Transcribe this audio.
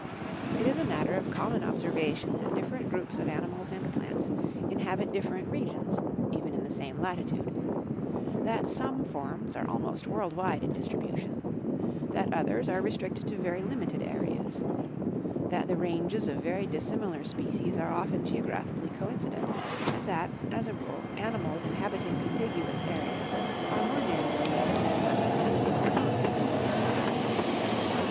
It is a matter of common ob servation that different groups of animals and plants inhabit dif ferent regions, even in the same latitude ; that some forms are almost world wide in distribution ; that others are restricted to Geography of Life. 161 very limited areas; that the ranges of very dissimilar species are often geographically coincident; and that, as a rule, animals in habiting contiguous areas are more neai ly related than those in habiting remote areas.